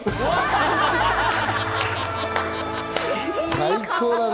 最高だね！